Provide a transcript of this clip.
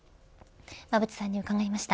馬渕さんに伺いました。